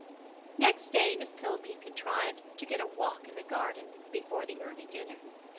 Next day Miss Pillby contrived to get a walk in the garden before the early dinner.